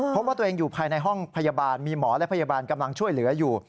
พบว่าตัวเองอยู่ภายในห้องพยาบาลมีหมอและพยาบาลกำลังช่วยเหลืออยู่